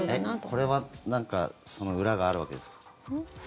これはなんか裏があるわけですか？